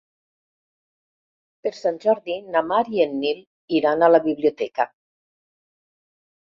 Per Sant Jordi na Mar i en Nil iran a la biblioteca.